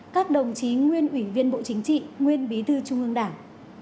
các đồng chí nguyên ủy viên bộ chính trị nguyên bí thư trung ương đảng